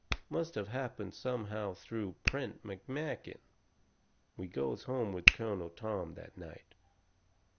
Must of happened somehow through Prent McMakin. We goes home with Colonel Tom that night.